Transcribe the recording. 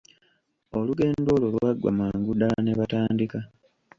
Olugendo olwo lwaggwa mangu ddala ne batandika.